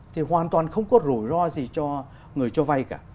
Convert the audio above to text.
thì hoàn toàn không có rủi ro gì cho người cho vay cả